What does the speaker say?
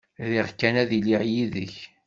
Riɣ kan ad iliɣ yid-k.